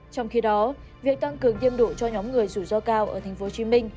trong khi đó việc tăng cường tiêm đủ cho nhóm người rủi ro cao ở tp hcm